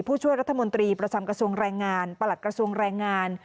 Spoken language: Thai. ผู้ช่วยรัฐมนตรีประจำกระทรวงแรงงานประหลัดกระทรวงแรงงาน